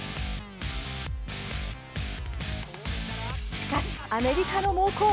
しかし、アメリカの猛攻。